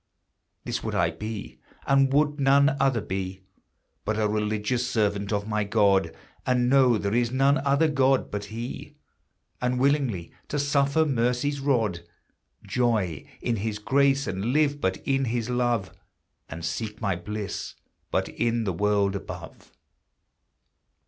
This would I be, and would none other be, But a religious servant of my God; And know there is none other God but he. And willingly to suffer mercy's rod, Joy in his grace, and live but in his love, And seek my bliss but in the world above.